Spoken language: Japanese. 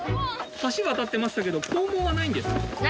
橋渡ってましたけど校門はないんですね？